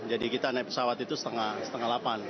jadi kita naik pesawat itu setengah setengah delapan